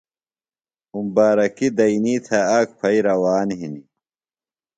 اُمبارکیۡ دینئی تھےۡ، آک پھئی روان ہِنیۡ۔